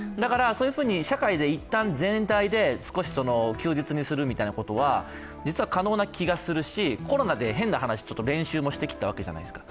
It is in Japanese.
社会で一旦、全体で休日にするみたいなことは実は可能な気がするし、コロナで練習もしてきたわけじゃないですか。